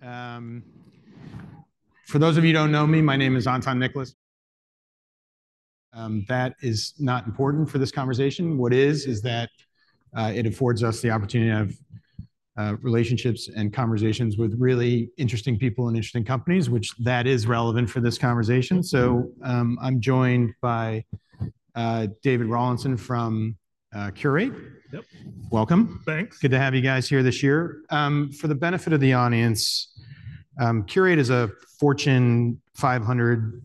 Hear us? For those of you who don't know me, my name is Anton Nicholas. That is not important for this conversation. What is, is that it affords us the opportunity to have relationships and conversations with really interesting people and interesting companies, which that is relevant for this conversation. So, I'm joined by David Rawlinson from Qurate. Yep. Welcome. Thanks. Good to have you guys here this year. For the benefit of the audience, Qurate is a Fortune 500,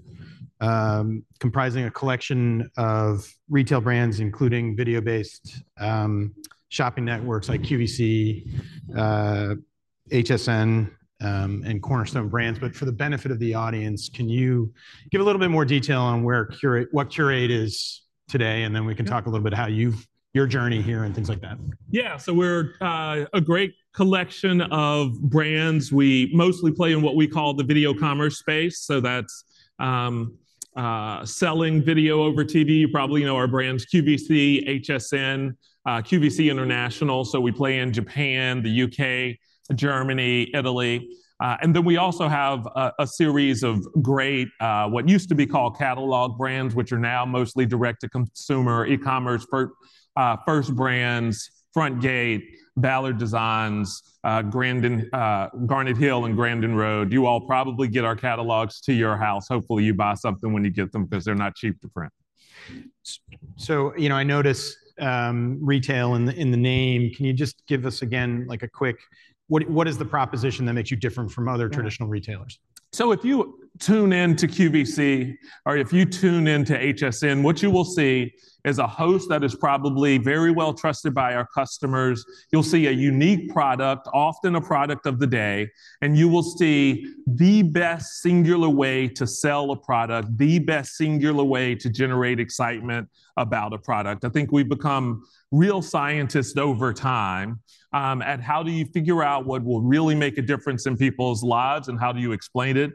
comprising a collection of retail brands, including video-based shopping networks like QVC, HSN, and Cornerstone Brands. But for the benefit of the audience, can you give a little bit more detail on where Qurate- what Qurate is today? And then we can- Yeah... talk a little bit how your journey here and things like that. Yeah. So we're a great collection of brands. We mostly play in what we call the video commerce space. So that's selling video over TV. You probably know our brands, QVC, HSN, QVC International. So we play in Japan, the UK, Germany, Italy. And then we also have a series of great what used to be called catalog brands, which are now mostly direct-to-consumer, e-commerce, first brands, Frontgate, Ballard Designs, Garnet Hill, and Grandin Road. You all probably get our catalogs to your house. Hopefully, you buy something when you get them, 'cause they're not cheap to print. So, you know, I notice retail in the name. Can you just give us, again, like a quick... What is the proposition that makes you different from other- Yeah... traditional retailers? If you tune in to QVC, or if you tune in to HSN, what you will see is a host that is probably very well trusted by our customers. You'll see a unique product, often a product of the day, and you will see the best singular way to sell a product, the best singular way to generate excitement about a product. I think we've become real scientists over time, at how do you figure out what will really make a difference in people's lives, and how do you explain it,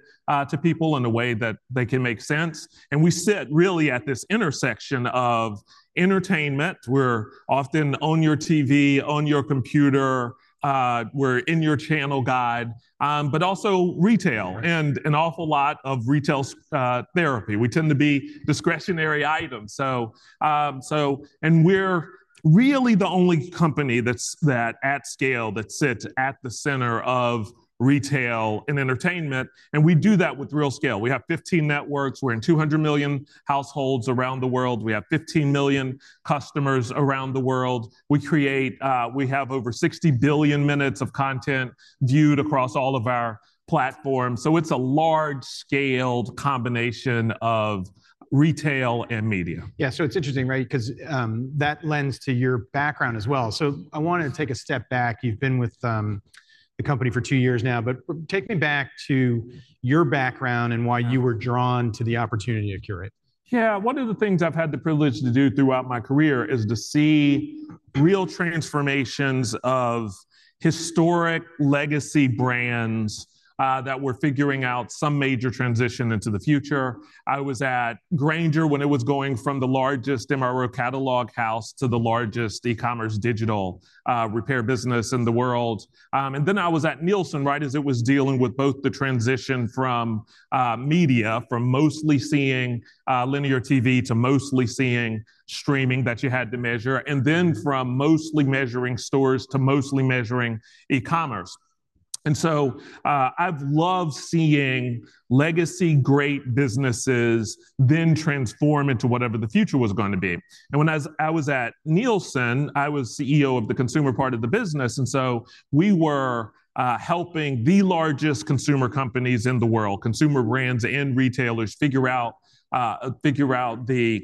to people in a way that they can make sense? We sit really at this intersection of entertainment, we're often on your TV, on your computer, we're in your channel guide, but also retail- Right... and an awful lot of retail therapy. We tend to be discretionary items. So and we're really the only company that's, that at scale, that sits at the center of retail and entertainment, and we do that with real scale. We have 15 networks. We're in 200 million households around the world. We have 15 million customers around the world. We create, we have over 60 billion minutes of content viewed across all of our platforms. So it's a large-scaled combination of retail and media. Yeah, so it's interesting, right? 'Cause that lends to your background as well. So I wanted to take a step back. You've been with the company for two years now, but take me back to your background and why you were drawn to the opportunity at Qurate. Yeah. One of the things I've had the privilege to do throughout my career is to see real transformations of historic legacy brands, that were figuring out some major transition into the future. I was at Grainger when it was going from the largest MRO catalog house to the largest e-commerce digital, repair business in the world. And then I was at Nielsen, right as it was dealing with both the transition from, media, from mostly seeing, Linear TV to mostly seeing streaming that you had to measure, and then from mostly measuring stores to mostly measuring e-commerce. And so, I've loved seeing legacy great businesses then transform into whatever the future was going to be. And when I was at Nielsen, I was CEO of the consumer part of the business, and so we were helping the largest consumer companies in the world, consumer brands and retailers, figure out the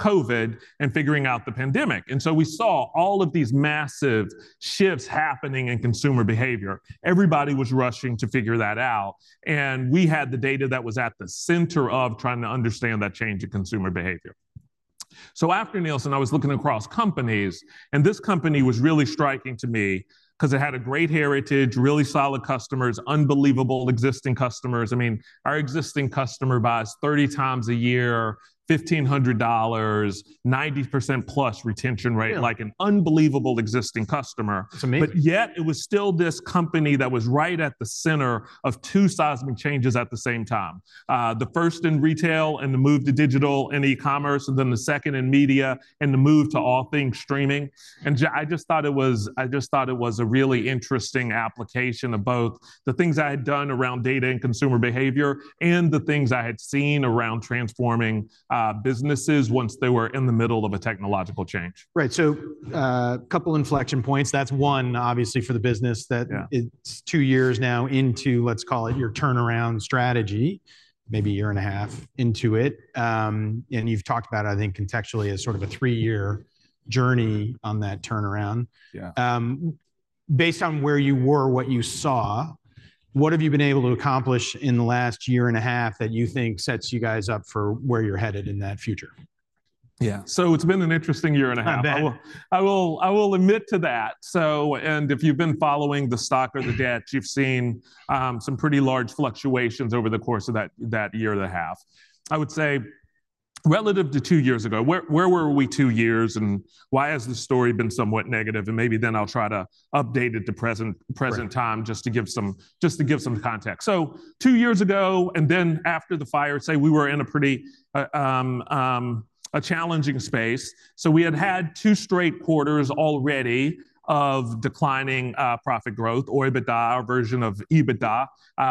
COVID and figuring out the pandemic. So we saw all of these massive shifts happening in consumer behavior. Everybody was rushing to figure that out, and we had the data that was at the center of trying to understand that change in consumer behavior. So after Nielsen, I was looking across companies, and this company was really striking to me 'cause it had a great heritage, really solid customers, unbelievable existing customers. I mean, our existing customer buys 30 times a year, $1,500, 90%+ retention rate- Yeah... like an unbelievable existing customer. It's amazing. But yet it was still this company that was right at the center of two seismic changes at the same time: the first in retail and the move to digital and e-commerce, and then the second in media and the move to all things streaming. And I just thought it was, I just thought it was a really interesting application of both the things I had done around data and consumer behavior and the things I had seen around transforming businesses once they were in the middle of a technological change. Right. So, couple inflection points. That's one, obviously, for the business, that- Yeah... it's two years now into, let's call it, your turnaround strategy, maybe a year and a half into it. And you've talked about, I think, contextually, as sort of a three-year journey on that turnaround. Yeah. Based on where you were, what you saw, what have you been able to accomplish in the last year and a half that you think sets you guys up for where you're headed in that future? Yeah. So it's been an interesting year and a half. I bet. I will, I will admit to that. So... and if you've been following the stock or the debt, you've seen some pretty large fluctuations over the course of that year and a half. I would say... Relative to two years ago, where were we two years, and why has the story been somewhat negative? And maybe then I'll try to update it to present time- Right Just to give some context. So two years ago, and then after the fire, say we were in a pretty, a challenging space. So we had had two straight quarters already of declining profit growth, or EBITDA, our version of EBITDA.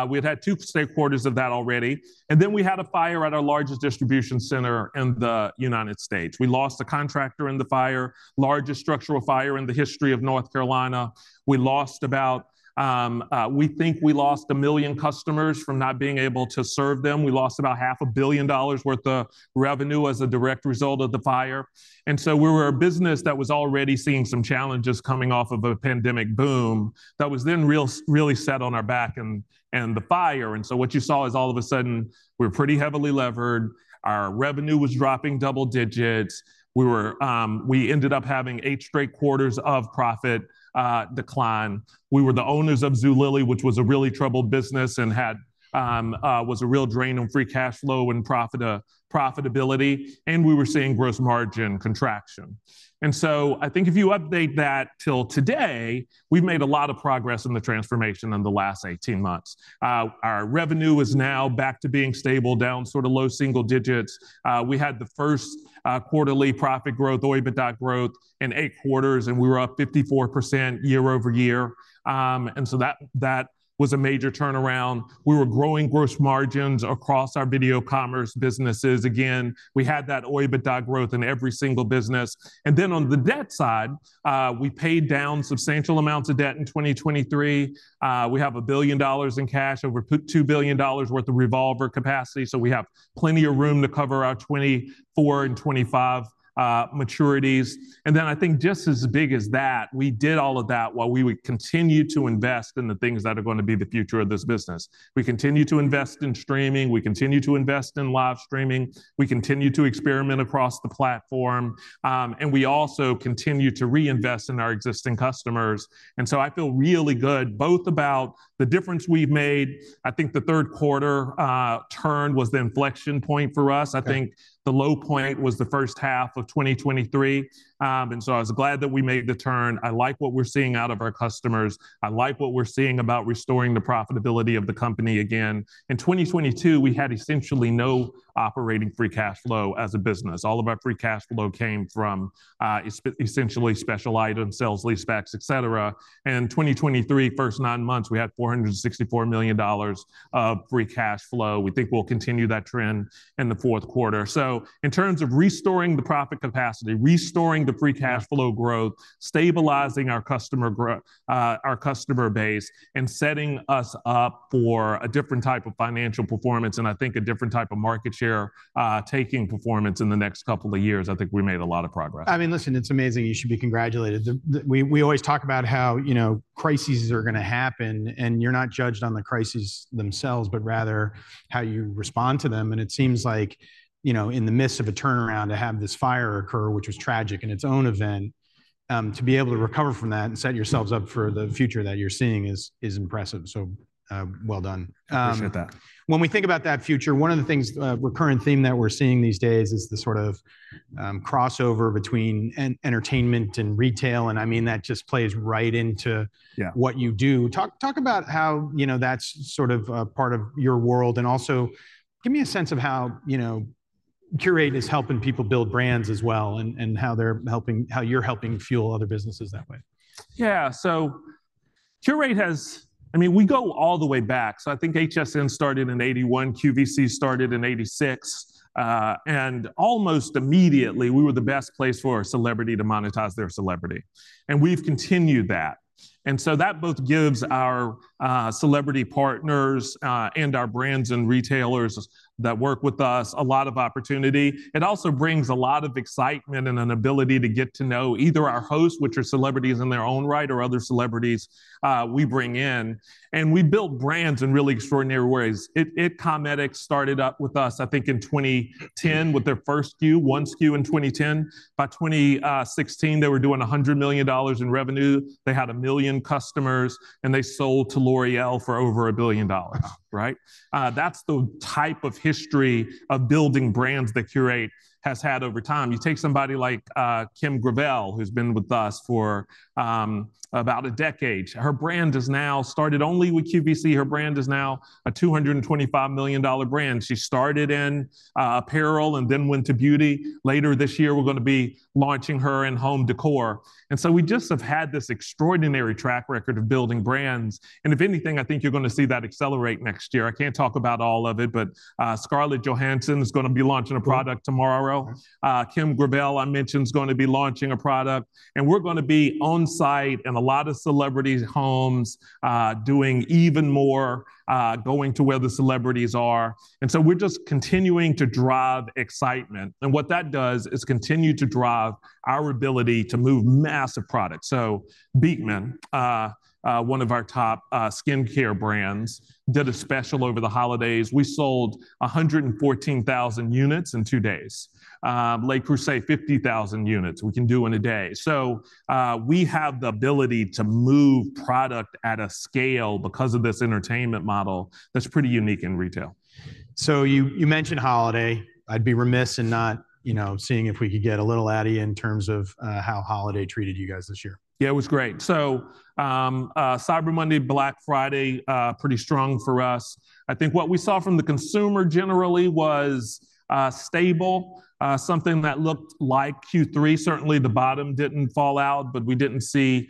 We'd had two straight quarters of that already, and then we had a fire at our largest distribution center in the United States. We lost a contractor in the fire, largest structural fire in the history of North Carolina. We lost about, we think we lost 1 million customers from not being able to serve them. We lost about $500 million worth of revenue as a direct result of the fire. So we were a business that was already seeing some challenges coming off of a pandemic boom that was then really set on our back, and the fire. So what you saw is, all of a sudden, we're pretty heavily levered, our revenue was dropping double digits. We ended up having 8 straight quarters of profit decline. We were the owners of Zulily, which was a really troubled business and was a real drain on free cash flow and profitability, and we were seeing gross margin contraction. So I think if you update that till today, we've made a lot of progress in the transformation in the last 18 months. Our revenue is now back to being stable, down sort of low single digits. We had the first quarterly profit growth, or EBITDA growth, in 8 quarters, and we were up 54% year-over-year. And so that was a major turnaround. We were growing gross margins across our video commerce businesses. Again, we had that EBITDA growth in every single business. And then on the debt side, we paid down substantial amounts of debt in 2023. We have $1 billion in cash, over $2 billion worth of revolver capacity, so we have plenty of room to cover our 2024 and 2025 maturities. And then I think just as big as that, we did all of that while we would continue to invest in the things that are going to be the future of this business. We continue to invest in streaming, we continue to invest in live streaming, we continue to experiment across the platform, and we also continue to reinvest in our existing customers. And so I feel really good both about the difference we've made. I think the third quarter turn was the inflection point for us. Okay. I think the low point was the first half of 2023. And so I was glad that we made the turn. I like what we're seeing out of our customers. I like what we're seeing about restoring the profitability of the company again. In 2022, we had essentially no operating free cash flow as a business. All of our free cash flow came from essentially special item sales, leasebacks, et cetera. 2023, first nine months, we had $464 million of free cash flow. We think we'll continue that trend in the fourth quarter. So in terms of restoring the profit capacity, restoring the free cash flow growth, stabilizing our customer base, and setting us up for a different type of financial performance, and I think a different type of market share, taking performance in the next couple of years, I think we made a lot of progress. I mean, listen, it's amazing. You should be congratulated. We always talk about how, you know, crises are gonna happen, and you're not judged on the crises themselves, but rather how you respond to them. And it seems like, you know, in the midst of a turnaround, to have this fire occur, which was tragic in its own event, to be able to recover from that and set yourselves up for the future that you're seeing is impressive. So, well done. Appreciate that. When we think about that future, one of the things, recurrent theme that we're seeing these days is the sort of, crossover between entertainment and retail, and I mean, that just plays right into- Yeah... what you do. Talk, talk about how, you know, that's sort of a part of your world, and also give me a sense of how, you know, Qurate is helping people build brands as well, and, and how they're helping, how you're helping fuel other businesses that way. Yeah. So Qurate has... I mean, we go all the way back. So I think HSN started in 1981, QVC started in 1986, and almost immediately, we were the best place for a celebrity to monetize their celebrity, and we've continued that. And so that both gives our celebrity partners and our brands and retailers that work with us a lot of opportunity. It also brings a lot of excitement and an ability to get to know either our hosts, which are celebrities in their own right, or other celebrities we bring in, and we build brands in really extraordinary ways. IT Cosmetics started up with us, I think, in 2010, with their first SKU, one SKU in 2010. By 2016, they were doing $100 million in revenue. They had 1 million customers, and they sold to L'Oréal for over $1 billion. Wow. Right? That's the type of history of building brands that Qurate has had over time. You take somebody like Kim Gravel, who's been with us for about a decade. Her brand is now, started only with QVC, her brand is now a $225 million brand. She started in apparel and then went to beauty. Later this year, we're gonna be launching her in home decor, and so we just have had this extraordinary track record of building brands. And if anything, I think you're gonna see that accelerate next year. I can't talk about all of it, but Scarlett Johansson is gonna be launching a product tomorrow. Wow. Kim Gravel, I mentioned, is gonna be launching a product, and we're gonna be on site in a lot of celebrities' homes, doing even more, going to where the celebrities are. So we're just continuing to drive excitement, and what that does is continue to drive our ability to move massive product. Beekman, one of our top, skincare brands, did a special over the holidays. We sold 114,000 units in two days. La Prairie, 50,000 units we can do in a day. So, we have the ability to move product at a scale because of this entertainment model that's pretty unique in retail. So you mentioned holiday. I'd be remiss in not, you know, seeing if we could get a little out of you in terms of how holiday treated you guys this year. Yeah, it was great. So, Cyber Monday, Black Friday, pretty strong for us. I think what we saw from the consumer generally was stable, something that looked like Q3. Certainly, the bottom didn't fall out, but we didn't see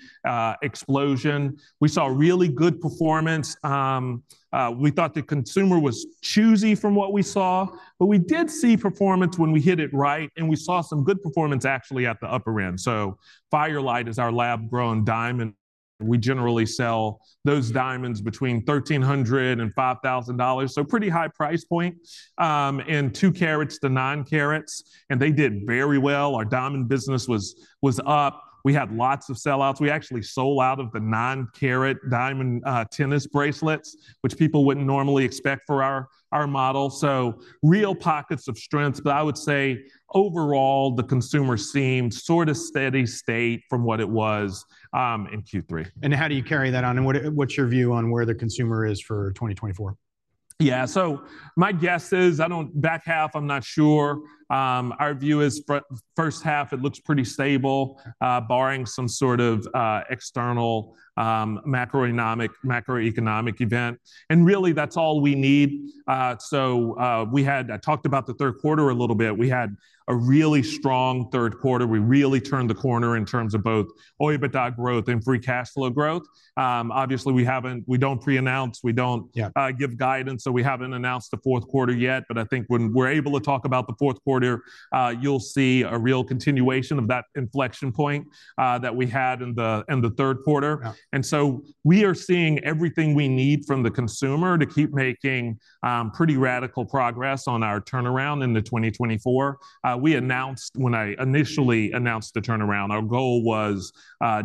explosion. We saw really good performance. We thought the consumer was choosy from what we saw, but we did see performance when we hit it right, and we saw some good performance actually at the upper end. So Fire Light is our lab-grown diamond-... we generally sell those diamonds between $1,300-$5,000, so pretty high price point, and 2 carats to 9 carats, and they did very well. Our diamond business was up. We had lots of sell-outs. We actually sold out of the 9-carat diamond tennis bracelets, which people wouldn't normally expect for our model. So real pockets of strength, but I would say overall, the consumer seemed sort of steady state from what it was in Q3. How do you carry that on, and what's your view on where the consumer is for 2024? Yeah, so my guess is, I don't back half, I'm not sure. Our view is first half, it looks pretty stable, barring some sort of external macroeconomic event, and really, that's all we need. So, we had, I talked about the third quarter a little bit. We had a really strong third quarter. We really turned the corner in terms of both OIBDA growth and free cash flow growth. Obviously, we haven't, we don't pre-announce, we don't- Yeah... give guidance, so we haven't announced the fourth quarter yet. But I think when we're able to talk about the fourth quarter, you'll see a real continuation of that inflection point, that we had in the, in the third quarter. Yeah. And so we are seeing everything we need from the consumer to keep making pretty radical progress on our turnaround into 2024. We announced, when I initially announced the turnaround, our goal was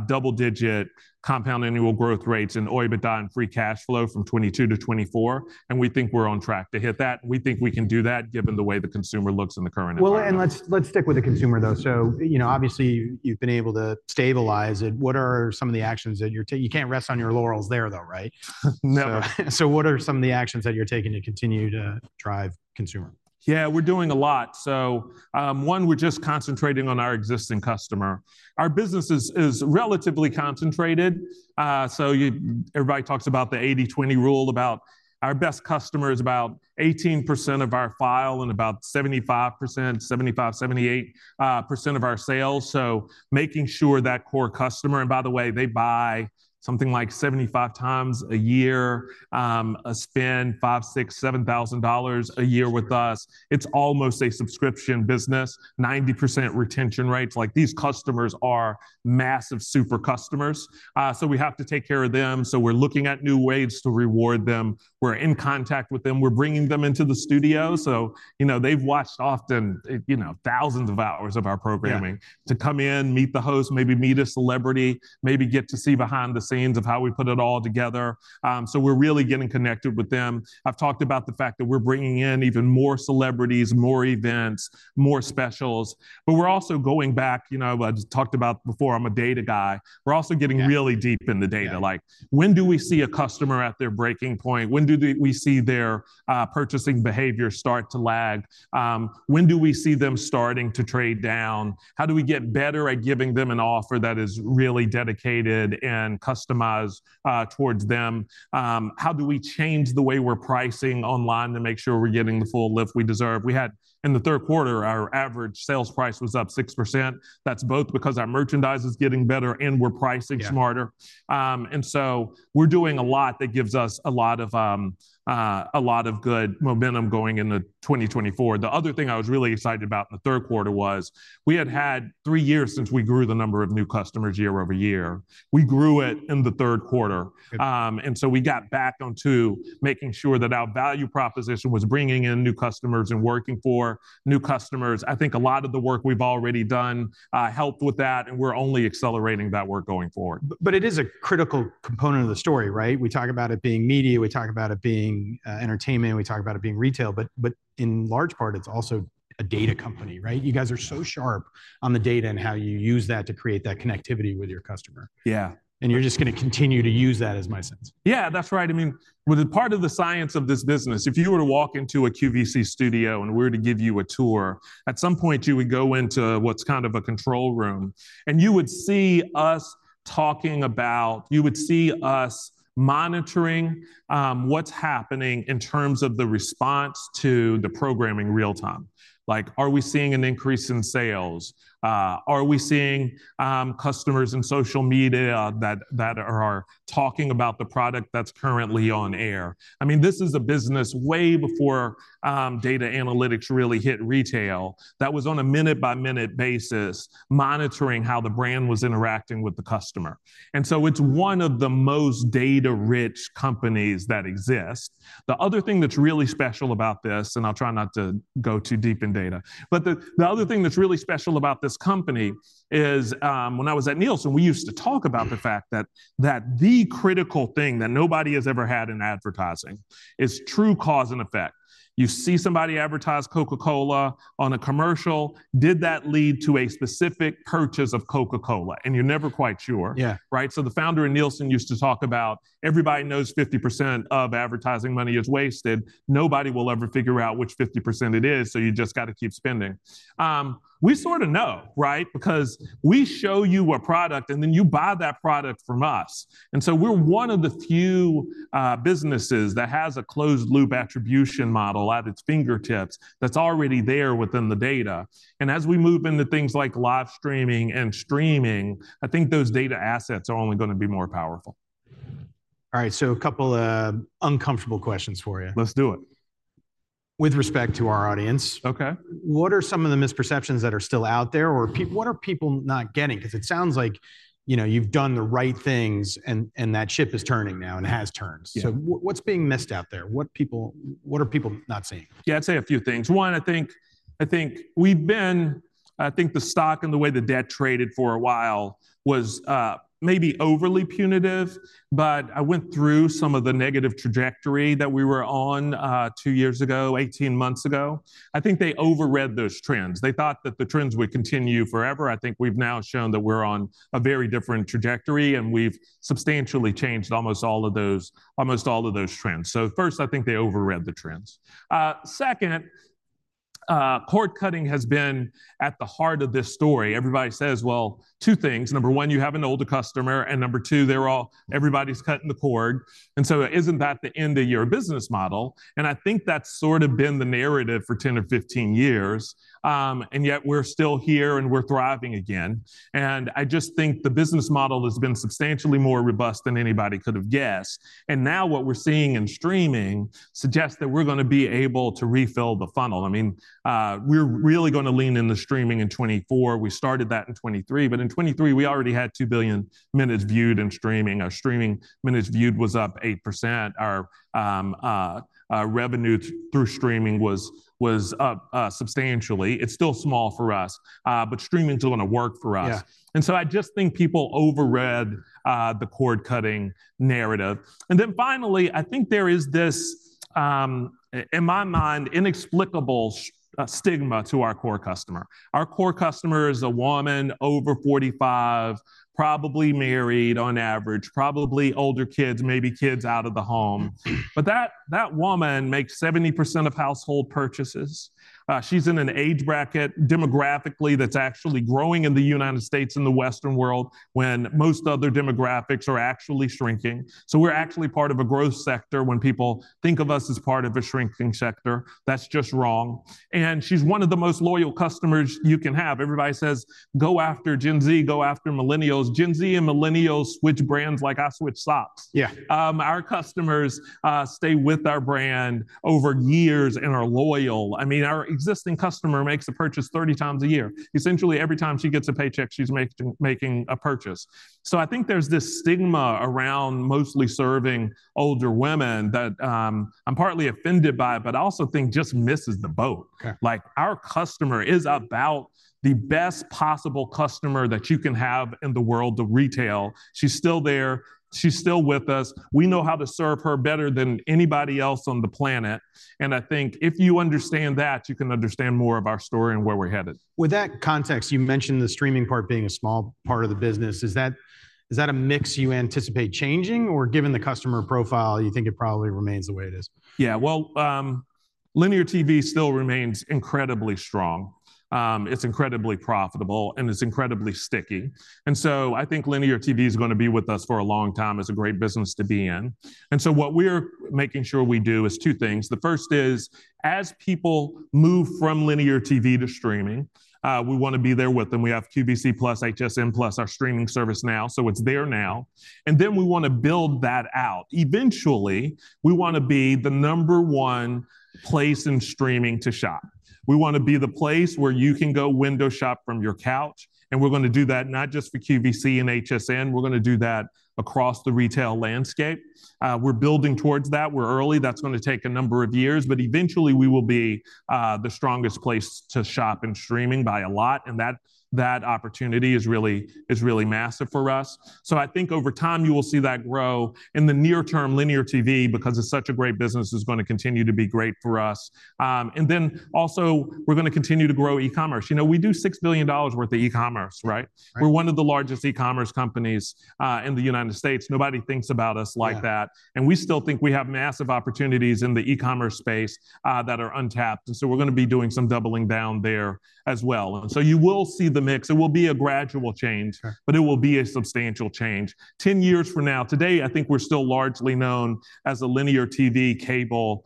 double-digit compound annual growth rates in OIBDA and free cash flow from 2022 to 2024, and we think we're on track to hit that. We think we can do that, given the way the consumer looks in the current environment. Well, and let's stick with the consumer, though. So, you know, obviously, you've been able to stabilize it. What are some of the actions that you're ta- you can't rest on your laurels there, though, right? No. What are some of the actions that you're taking to continue to drive consumer? Yeah, we're doing a lot. So, one, we're just concentrating on our existing customer. Our business is relatively concentrated. So everybody talks about the 80/20 rule, about our best customer is about 18% of our file and about 75%-78% of our sales, so making sure that core customer... And by the way, they buy something like 75 times a year, a spend $5,000-$7,000 a year with us. That's right. It's almost a subscription business, 90% retention rates. Like, these customers are massive super customers. So we have to take care of them, so we're looking at new ways to reward them. We're in contact with them. We're bringing them into the studio, so, you know, they've watched often, you know, thousands of hours of our programming- Yeah... to come in, meet the host, maybe meet a celebrity, maybe get to see behind the scenes of how we put it all together. So we're really getting connected with them. I've talked about the fact that we're bringing in even more celebrities, more events, more specials, but we're also going back. You know, I talked about before, I'm a data guy. Yeah. We're also getting really deep in the data. Yeah. Like, when do we see a customer at their breaking point? When do we see their purchasing behavior start to lag? When do we see them starting to trade down? How do we get better at giving them an offer that is really dedicated and customized towards them? How do we change the way we're pricing online to make sure we're getting the full lift we deserve? We had, in the third quarter, our average sales price was up 6%. That's both because our merchandise is getting better, and we're pricing smarter. Yeah. And so we're doing a lot that gives us a lot of good momentum going into 2024. The other thing I was really excited about in the third quarter was we had had three years since we grew the number of new customers year-over-year. We grew it in the third quarter. Yeah. and so we got back onto making sure that our value proposition was bringing in new customers and working for new customers. I think a lot of the work we've already done, helped with that, and we're only accelerating that work going forward. But it is a critical component of the story, right? We talk about it being media, we talk about it being entertainment, we talk about it being retail, but in large part, it's also a data company, right? Yeah. You guys are so sharp on the data and how you use that to create that connectivity with your customer. Yeah. You're just gonna continue to use that, is my sense. Yeah, that's right. I mean, with the part of the science of this business, if you were to walk into a QVC studio, and we were to give you a tour, at some point, you would go into what's kind of a control room, and you would see us monitoring what's happening in terms of the response to the programming real time. Like, are we seeing an increase in sales? Are we seeing customers in social media that are talking about the product that's currently on air? I mean, this is a business way before data analytics really hit retail that was on a minute-by-minute basis, monitoring how the brand was interacting with the customer, and so it's one of the most data-rich companies that exist. The other thing that's really special about this, and I'll try not to go too deep in data, but the other thing that's really special about this company is, when I was at Nielsen, we used to talk about the fact that the critical thing that nobody has ever had in advertising is true cause and effect. You see somebody advertise Coca-Cola on a commercial. Did that lead to a specific purchase of Coca-Cola? And you're never quite sure. Yeah. Right? So the founder of Nielsen used to talk about, everybody knows 50% of advertising money is wasted. Nobody will ever figure out which 50% it is, so you've just got to keep spending. We sort of know, right? Because we show you a product, and then you buy that product from us, and so we're one of the few, businesses that has a closed-loop attribution model at its fingertips that's already there within the data. And as we move into things like live streaming and streaming, I think those data assets are only gonna be more powerful.... All right, so a couple of uncomfortable questions for you. Let's do it. With respect to our audience- Okay. What are some of the misperceptions that are still out there, or what are people not getting? 'Cause it sounds like, you know, you've done the right things, and, and that ship is turning now, and has turned. Yeah. So what's being missed out there? What are people not seeing? Yeah, I'd say a few things. One, I think the stock and the way the debt traded for a while was maybe overly punitive, but I went through some of the negative trajectory that we were on, 2 years ago, 18 months ago. I think they overread those trends. They thought that the trends would continue forever. I think we've now shown that we're on a very different trajectory, and we've substantially changed almost all of those, almost all of those trends. So first, I think they overread the trends. Second, cord-cutting has been at the heart of this story. Everybody says, well, two things: number one, you have an older customer, and number two, they're all, everybody's cutting the cord, and so isn't that the end of your business model? I think that's sort of been the narrative for 10 or 15 years. Yet we're still here, and we're thriving again. I just think the business model has been substantially more robust than anybody could have guessed. Now what we're seeing in streaming suggests that we're gonna be able to refill the funnel. I mean, we're really gonna lean into streaming in 2024. We started that in 2023, but in 2023 we already had 2 billion minutes viewed in streaming. Our streaming minutes viewed was up 8%. Our revenue through streaming was up substantially. It's still small for us, but streaming's gonna work for us. Yeah. So I just think people overread the cord-cutting narrative. And then finally, I think there is this in my mind, inexplicable stigma to our core customer. Our core customer is a woman over 45, probably married on average, probably older kids, maybe kids out of the home. But that woman makes 70% of household purchases. She's in an age bracket demographically that's actually growing in the United States and the Western world, when most other demographics are actually shrinking. So we're actually part of a growth sector when people think of us as part of a shrinking sector. That's just wrong. And she's one of the most loyal customers you can have. Everybody says, "Go after Gen Z, go after millennials." Gen Z and millennials switch brands like I switch socks. Yeah. Our customers stay with our brand over years and are loyal. I mean, our existing customer makes a purchase 30 times a year. Essentially, every time she gets a paycheck, she's making a purchase. So I think there's this stigma around mostly serving older women that I'm partly offended by, but I also think just misses the boat. Okay. Like, our customer is about the best possible customer that you can have in the world of retail. She's still there. She's still with us. We know how to serve her better than anybody else on the planet, and I think if you understand that, you can understand more of our story and where we're headed. With that context, you mentioned the streaming part being a small part of the business. Is that, is that a mix you anticipate changing, or given the customer profile, you think it probably remains the way it is? Yeah, well, linear TV still remains incredibly strong. It's incredibly profitable, and it's incredibly sticky. And so I think linear TV is gonna be with us for a long time. It's a great business to be in. And so what we're making sure we do is two things. The first is, as people move from linear TV to streaming, we wanna be there with them. We have QVC Plus, HSN Plus, our streaming service now, so it's there now. And then we wanna build that out. Eventually, we wanna be the number one place in streaming to shop. We wanna be the place where you can go window shop from your couch, and we're gonna do that not just for QVC and HSN, we're gonna do that across the retail landscape. We're building towards that. We're early. That's gonna take a number of years, but eventually we will be, the strongest place to shop in streaming by a lot, and that, that opportunity is really, is really massive for us. So I think over time you will see that grow. In the near term, Linear TV, because it's such a great business, is gonna continue to be great for us. And then also, we're gonna continue to grow e-commerce. You know, we do $6 billion worth of e-commerce, right? Right. We're one of the largest e-commerce companies, in the United States. Nobody thinks about us like that. Yeah. We still think we have massive opportunities in the e-commerce space that are untapped, and so we're gonna be doing some doubling down there as well. And so you will see the mix. It will be a gradual change- Sure... but it will be a substantial change. 10 years from now, today, I think we're still largely known as a linear TV cable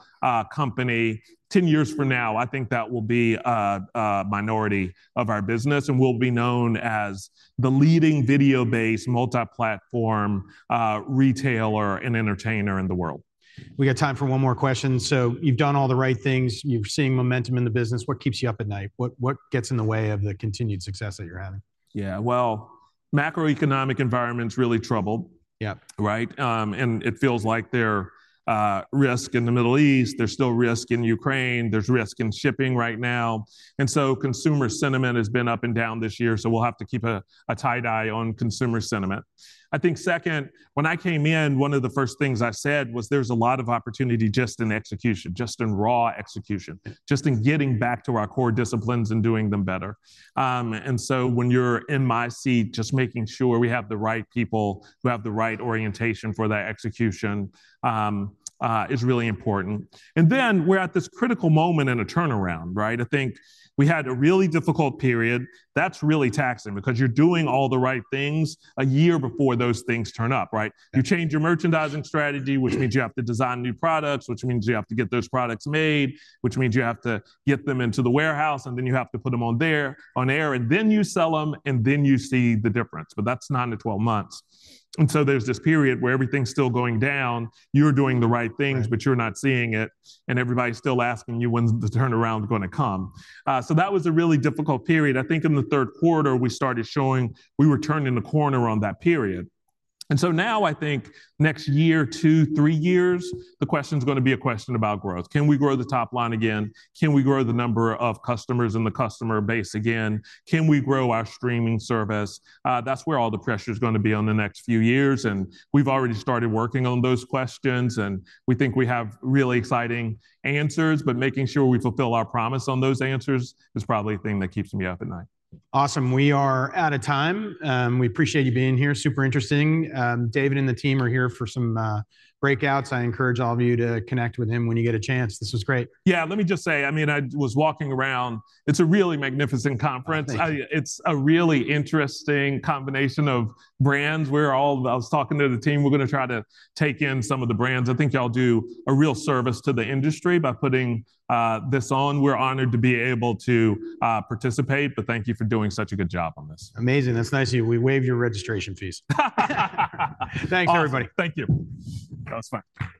company. 10 years from now, I think that will be a minority of our business, and we'll be known as the leading video-based, multi-platform retailer and entertainer in the world. We've got time for one more question. So you've done all the right things. You're seeing momentum in the business. What keeps you up at night? What, what gets in the way of the continued success that you're having? Yeah, well, macroeconomic environment's really troubled. Yeah. Right? And it feels like there's risk in the Middle East, there's still risk in Ukraine, there's risk in shipping right now, and so consumer sentiment has been up and down this year, so we'll have to keep a tight eye on consumer sentiment. I think second, when I came in, one of the first things I said was there's a lot of opportunity just in execution, just in raw execution- Yeah... just in getting back to our core disciplines and doing them better. And so when you're in my seat, just making sure we have the right people who have the right orientation for that execution, is really important. And then we're at this critical moment in a turnaround, right? I think we had a really difficult period. That's really taxing, because you're doing all the right things a year before those things turn up, right? Yeah. You change your merchandising strategy, which means you have to design new products, which means you have to get those products made, which means you have to get them into the warehouse, and then you have to put them on there, on air, and then you sell them, and then you see the difference, but that's 9-12 months. And so there's this period where everything's still going down. You're doing the right things- Right... but you're not seeing it, and everybody's still asking you when's the turnaround gonna come? So that was a really difficult period. I think in the third quarter we started showing we were turning the corner on that period. And so now I think next year, 2, 3 years, the question's gonna be a question about growth. Can we grow the top line again? Can we grow the number of customers in the customer base again? Can we grow our streaming service? That's where all the pressure's gonna be on the next few years, and we've already started working on those questions, and we think we have really exciting answers, but making sure we fulfill our promise on those answers is probably the thing that keeps me up at night. Awesome. We are out of time. We appreciate you being here. Super interesting. David and the team are here for some breakouts. I encourage all of you to connect with him when you get a chance. This was great. Yeah, let me just say, I mean, I was walking around, it's a really magnificent conference. Well, thank you. It's a really interesting combination of brands. We're all... I was talking to the team, we're gonna try to take in some of the brands. I think y'all do a real service to the industry by putting this on. We're honored to be able to participate, but thank you for doing such a good job on this. Amazing. That's nice of you. We waived your registration fees. Awesome. Thanks, everybody. Thank you. That was fun.